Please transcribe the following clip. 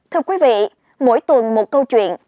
thưa quý vị mỗi tuần một câu chuyện